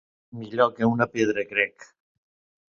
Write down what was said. Millor que una pedra, crec.